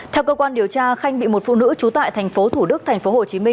theo cơ quan điều tra khanh bị một phụ nữ trú tại tp thủ đức tp hcm